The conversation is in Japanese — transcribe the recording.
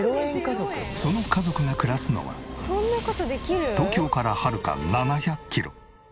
その家族が暮らすのは東京からはるか７００キロ